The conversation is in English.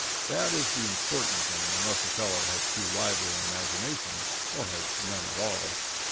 That is the important thing, unless a fellow has too lively an imagination, or has none at all.